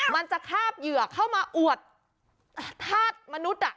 มันจะข้าบเหยื่อเข้ามาอวดทาสมนุษย์อ่ะ